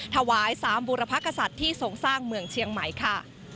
ถวาย๓บุรพกษัตริย์ที่ส่งสร้างเมืองเชียงใหม่ค่ะ